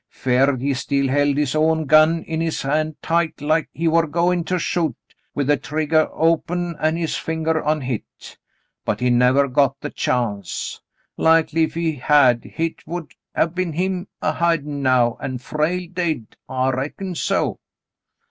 Ferd, he still held his own gun in his hand tight, like he war goin' to shoot, with the triggah open an' his fingah on hit — but he nevah got the chance. Likely if he had, hit would have been him a hidin' now, an' Frale dade. I reckon so."